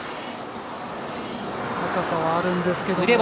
高さはあるんですけど。